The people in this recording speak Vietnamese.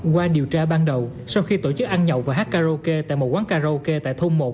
qua điều tra ban đầu sau khi tổ chức ăn nhậu và hát karaoke tại một quán karaoke tại thôn một